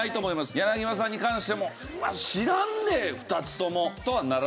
柳葉さんに関しても「知らんで２つとも」とはならない。